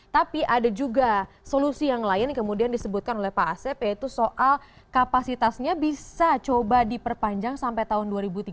tapi ada juga solusi yang lain yang kemudian disebutkan oleh pak asep yaitu soal kapasitasnya bisa coba diperpanjang sampai tahun dua ribu tiga puluh